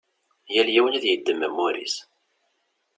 Yal yiwen ad yeddem amur-is.